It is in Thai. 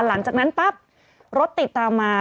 หลังจากนั้นปั๊บรถติดตามมา